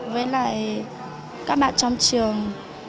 với lại các bạn trong trường